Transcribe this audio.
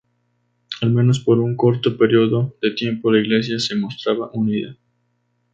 Al menos por un corto período de tiempo la Iglesia se mostraba unida.